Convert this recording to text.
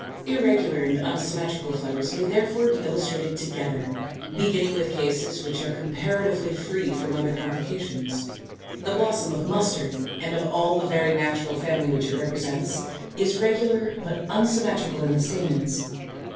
253. =Irregular and Unsymmetrical Flowers= may therefore be illustrated together, beginning with cases which are comparatively free from other complications. The blossom of Mustard, and of all the very natural family which it represents (Fig. 235, 236), is regular but unsymmetrical in the stamens.